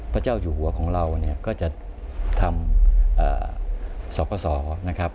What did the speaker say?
พระเจ้าอยู่หัวของเราเนี่ยก็จะทำสกสนะครับ